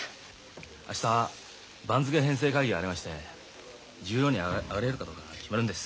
明日番付編成会議がありまして十両に上がれるかどうかが決まるんです。